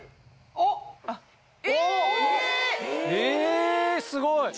えすごい！